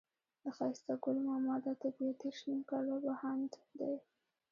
د ښایسته ګل ماما دا طبيعت دېرش نيم کاله بهاند دی.